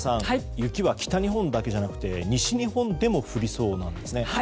雪は北日本だけじゃなくて西日本でも降りそうなんですよね。